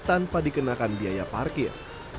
tanpa dikenakan biaya parkir